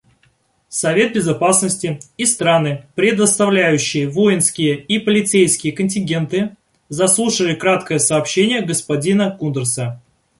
Совет Безопасности и страны, предоставляющие воинские и полицейские контингенты, заслушали краткое сообщение господина Кундерса.